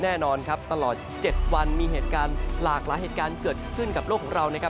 แน่นอนครับตลอด๗วันมีเหตุการณ์หลากหลายเหตุการณ์เกิดขึ้นกับโลกของเรานะครับ